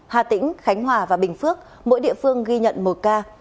hà tĩnh khánh hòa và bình phước mỗi địa phương ghi nhận một ca